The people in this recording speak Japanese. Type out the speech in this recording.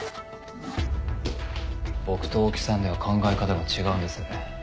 僕と大木さんでは考え方が違うんです。